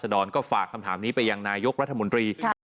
สภาพูดแทนรัศดรก็ฝากคำถามนี้ไปยังนายกรัฐมนตรี